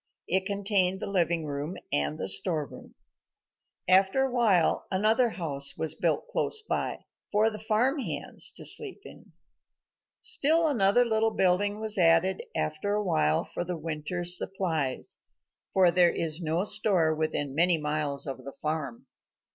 It contained the living room and the storeroom. After a while another house was built close by, for the farm hands to sleep in. Still another little building was added after a while for the winter's supplies, for there is no store within many miles of the farm.